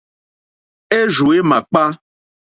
Érzù é màkpá.